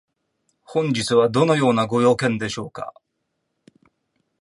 本日はどのようなご用件でしょうか？